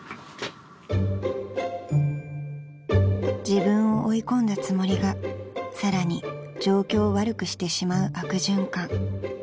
［自分を追い込んだつもりがさらに状況を悪くしてしまう悪循環］